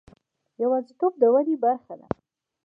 یوازیتوب د ودې برخه ده.